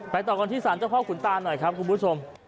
ต่อกันที่สารเจ้าพ่อขุนตาหน่อยครับคุณผู้ชม